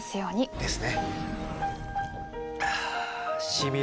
ですね。